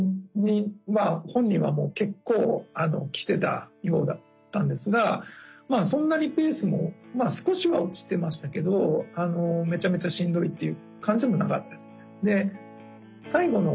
本人はもう結構きてたようだったんですがまあそんなにペースも少しは落ちてましたけどめちゃめちゃしんどいっていう感じでもなかったですね。